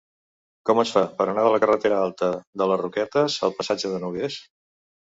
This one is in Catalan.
Com es fa per anar de la carretera Alta de les Roquetes al passatge de Nogués?